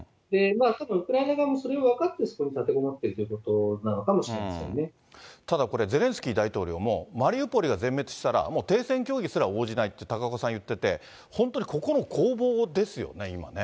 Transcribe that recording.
たぶんウクライナ側もそれを分かって立てこもっている状態なのかただこれ、ゼレンスキー大統領もマリウポリが全滅したら、もう停戦協議すら応じないって、高岡さん、言ってて、本当にここの攻防ですよね、今ね。